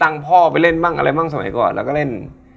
อะไรบ้างอะไรบ้างสมัยก่อนเราก็เล่น